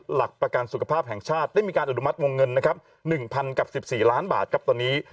หลักประกันสุขภาพแห่งชาติได้มีการอนุมัติวงเงินนะครับ๑๐๐กับ๑๔ล้านบาทครับตอนนี้